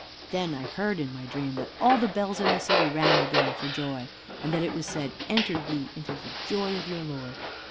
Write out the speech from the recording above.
Then I heard in my dream that all the bells in the City rang again for joy, and that it was said, "Enter ye into the joy of your Lord."